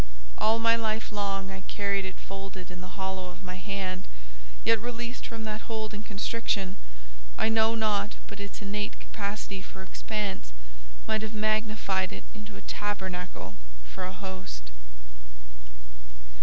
All my life long I carried it folded in the hollow of my hand yet, released from that hold and constriction, I know not but its innate capacity for expanse might have magnified it into a tabernacle for a host.